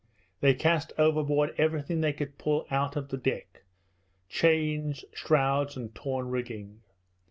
They cast overboard everything they could pull out of the deck chains, shrouds, and torn rigging.